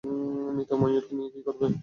মৃত ময়ূর নিয়ে কী করবে?